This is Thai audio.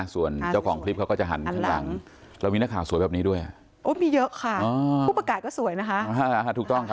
ส่วนเจ้าของคลิปเขาก็จะหันข้างหลังเรามีนักข่าวสวยแบบนี้ด้วยโอ้มีเยอะค่ะผู้ประกาศก็สวยนะคะถูกต้องครับ